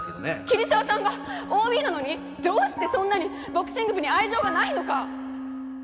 桐沢さんがＯＢなのにどうしてそんなにボクシング部に愛情がないのか！